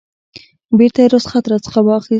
بیرته یې رخصت راڅخه واخیست.